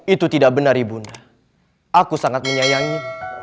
itu tidak benar ibunda aku sangat menyayangi